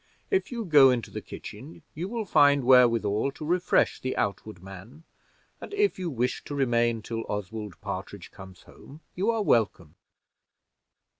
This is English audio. If you go into the kitchen you will find wherewithal to refresh the outward man, and if you wish to remain till Oswald Partridge comes home, you are welcome."